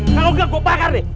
kalau enggak gue bakar nih